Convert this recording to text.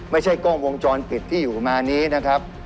ไม่ใช่กล้องวงจรปิดที่อยู่มานี้นะครับ